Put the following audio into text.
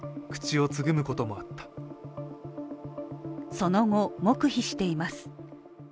その後、黙秘しています。